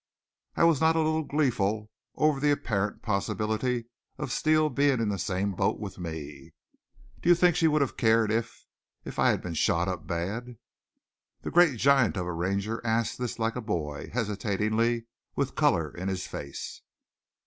I was not a little gleeful over the apparent possibility of Steele being in the same boat with me. "Do you think she would have cared if if I had been shot up bad?" The great giant of a Ranger asked this like a boy, hesitatingly, with color in his face.